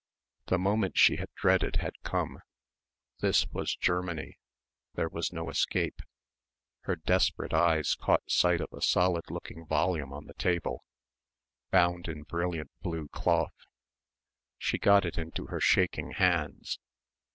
The moment she had dreaded had come. This was Germany. There was no escape. Her desperate eyes caught sight of a solid looking volume on the table, bound in brilliant blue cloth. She got it into her shaking hands.